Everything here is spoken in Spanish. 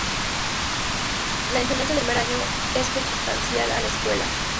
La enseñanza de primer año es consustancial a la escuela.